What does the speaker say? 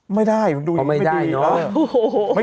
ไม่ได้ดูยิ่งไม่ดี